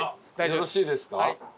よろしいですか？